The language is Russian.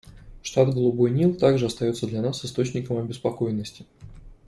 Штат Голубой Нил также остается для нас источником обеспокоенности.